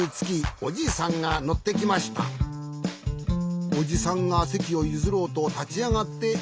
おじさんがせきをゆずろうとたちあがってちかづきます。